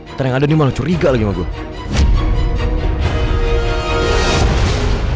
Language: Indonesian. ntar yang ada ini malah curiga lagi sama gue